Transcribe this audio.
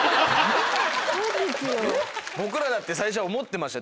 僕らだって最初は思ってました